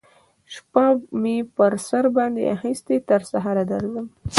شپه می پر سر باندی اخیستې تر سهاره درځم